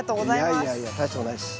いやいやいや大したことないです。